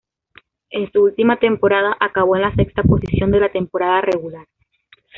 En su última temporada acabó en la sexta posición de la temporada regular.